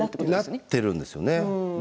なってるんですよね